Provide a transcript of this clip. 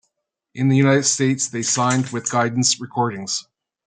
In the United States, they signed with Guidance Recordings.